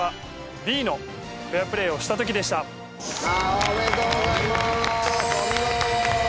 おめでとうございますお見事。